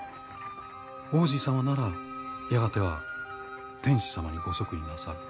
皇子様ならやがては天子様にご即位なさる。